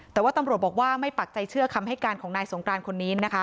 แต่ว่าตำรวจบอกว่าไม่ปักใจเชื่อคำให้การของนายสงกรานคนนี้นะคะ